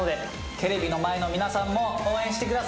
テレビの前の皆さんも応援してください。